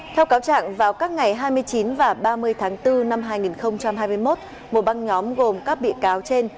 theo cáo trạng vào các ngày hai mươi chín và ba mươi tháng bốn năm hai nghìn hai mươi một một băng nhóm gồm các bị cáo trên